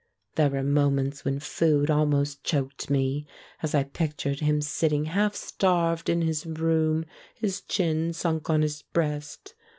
There were moments when food almost choked me, as I pic tured him sitting half starved in his room, his chin sunk on his breast.